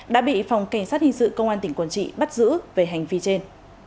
đã bị phòng cảnh sát hình sự công an tỉnh quảng trị bắt giữ về hành vi trên